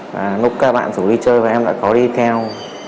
lúc các bạn dù đi chơi và em đã có đi theo